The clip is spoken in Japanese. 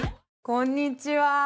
こんにちは。